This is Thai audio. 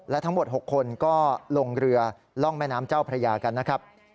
และทั้งหมด๖คนก็ลงเรือล่องแม่น้ำเจ้าพระยากันนะครับ